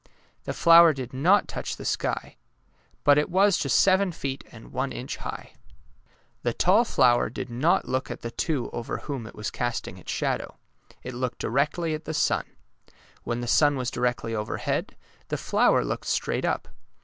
The flower did not touch the sky. But it was just seven feet and one inch high. 186 DAISY AND SUNFLOWER The tall flower did not look at the two over whom it was casting its shadow. It looked directly at the sun. When the sun was directly overhead, the flower looked straight up.